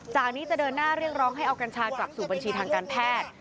จากนี้จะเดินหน้าเรียกร้องให้เอากัญชากลับสู่บัญชีทางการแพทย์